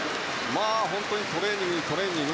本当にトレーニング、トレーニング。